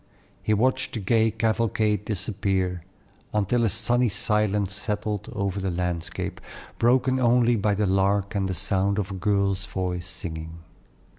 He watched the gay cavalcade disappear, until a sunny silence settled over the landscape, broken only by the larks and the sound of a girl's voice singing.